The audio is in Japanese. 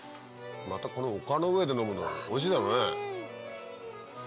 またこの丘の上で飲むのおいしいだろうね。